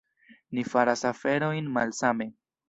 Ni faras aferojn malsame.